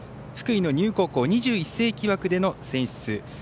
福井の丹生高校２１世紀枠での選出。